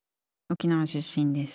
沖縄出身です。